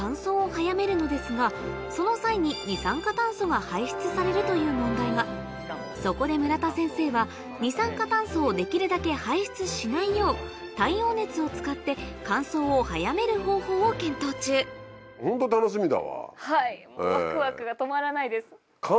その際に二酸化炭素が排出されるという問題がそこで村田先生は二酸化炭素をできるだけ排出しないよう太陽熱を使って乾燥を早める方法を検討中ワクワクが止まらないです。